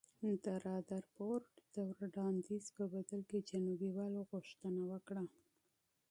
د رادرفورډ د وړاندیز په بدل کې جنوبي والو غوښتنه وکړه.